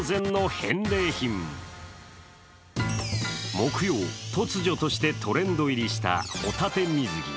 木曜、突如としてトレンド入りしたホタテ水着。